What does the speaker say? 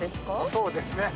そうですね。